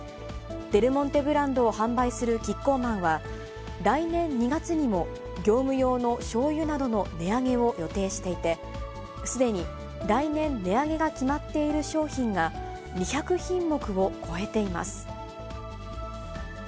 デルモンテブランドを販売するキッコーマンは、来年２月にも業務用のしょうゆなどの値上げを予定していて、すでに来年値上げが決まっている商品が２００品目を超えています。